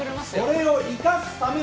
それを生かすための。